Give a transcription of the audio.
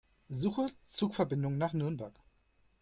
Suche Zugverbindungen nach Nürnberg.